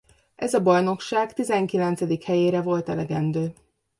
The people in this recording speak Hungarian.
Ez a bajnokság tizenkilencedik helyére volt elegendő.